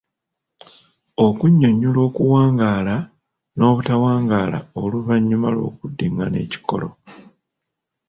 Okunnyonnyola okuwangaala n’obutawangaala oluvannyuma lw’okuddingaana ekikolo.